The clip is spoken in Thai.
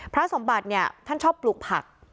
พระสมบัติเนี่ยท่านชอบปลูกผัก